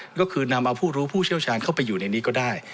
ก็คือนำเอาผู้รู้ผู้เชี่ยวชาญเข้าไปอยู่ในนี้ก็ได้